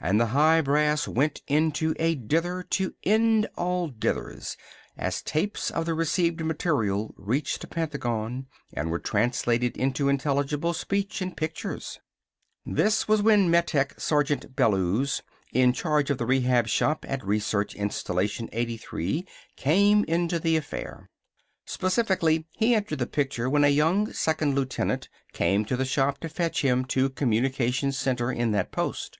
And the high brass went into a dither to end all dithers as tapes of the received material reached the Pentagon and were translated into intelligible speech and pictures. This was when Metech Sergeant Bellews, in charge of the Rehab Shop at Research Installation 83, came into the affair. Specifically, he entered the picture when a young second lieutenant came to the shop to fetch him to Communications Center in that post.